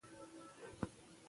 پاک طبیعت د مرغانو استوګنځی دی.